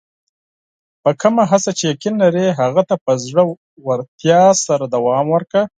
په کومه هڅه چې یقین لرې، هغه ته په زړۀ ورتیا سره دوام ورکړه.